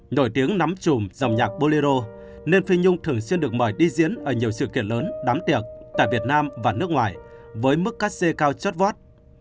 nổi tiếng nắm trùm dòng nhạc bolero nên phi nhung thường xuyên được mời đi diễn ở nhiều sự kiện lớn đám tiệc tại việt nam và nước ngoài với mức cắt xe cao chót vót